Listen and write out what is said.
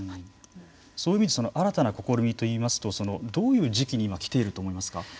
そういう意味で新たな試みといいますとどういう時期に今来ていると思いますか。